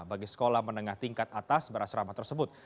bagi sekolah menengah tingkat atas berasrama tersebut